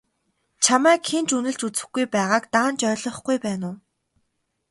Чамайг хэн ч үнэлж үзэхгүй байгааг даанч ойлгохгүй байна уу?